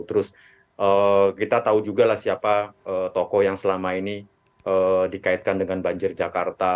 terus kita tahu juga lah siapa tokoh yang selama ini dikaitkan dengan banjir jakarta